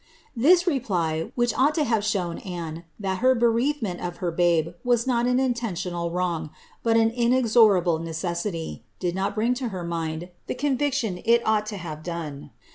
This reply, which ought to have shown Anne that her bereavement of her babe was not an intentional wrong, but an inexorable necessity, did not bring to her mind the conviction it ought to have done.